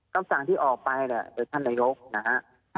คำสั่งที่ออกไปเนี่ยโดยท่านนายกนะฮะ